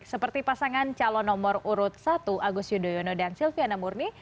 seperti pasangan calon nomor urut satu agus yudhoyono dan silviana murni